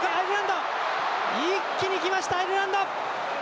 一気に来ました、アイルランド！